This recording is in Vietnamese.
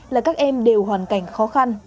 là các em đều hoàn cảnh khó khăn